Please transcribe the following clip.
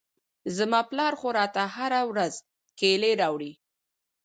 زما پلار خو راته هره ورځ کېلې راوړي.